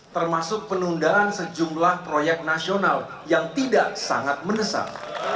termasuk penundaan sejumlah proyek nasional yang tidak sangat mendesak